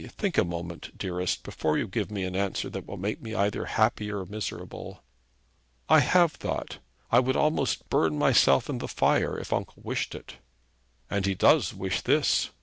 Think a moment, dearest, before you give me an answer that shall make me either happy or miserable.' 'I have thought. I would almost burn myself in the fire, if uncle wished it.' 'And he does wish this.'